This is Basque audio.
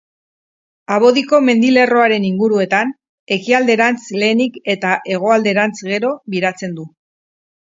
Abodiko mendilerroaren inguruetan, ekialderantz lehenik eta hegoalderantz gero, biratzen du.